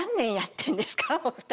お二人。